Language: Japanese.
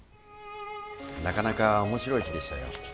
なかなか面白い日でしたよ。